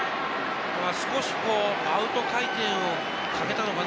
少しアウト回転をかけたのかな？